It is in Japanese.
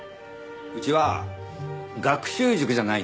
うちは学習塾じゃないんですよ。